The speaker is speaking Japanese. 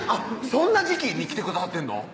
そんな時期に来てくださってんの？